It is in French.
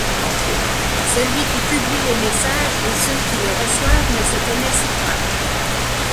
Celui qui publie les messages et ceux qui les reçoivent ne se connaissent pas.